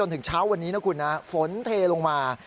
ถึงเช้าวันนี้นะคุณนะฝนเทลงมา